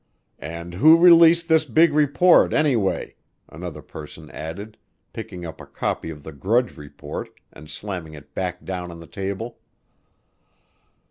"And who released this big report, anyway?" another person added, picking up a copy of the Grudge Report and slamming it back down on the table.